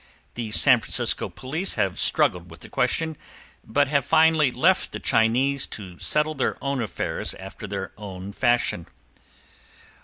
The San Francisco police have struggled with the question, but have finally left the Chinese to settle their own affairs after their own fashion.